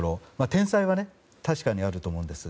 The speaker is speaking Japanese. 天災は確かにあると思うんです。